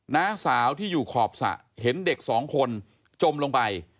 น้าสาวที่อยู่ขอบสระเห็นเด็กสองคนจมลงไป